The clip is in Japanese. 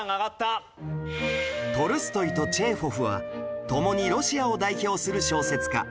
トルストイとチェーホフは共にロシアを代表する小説家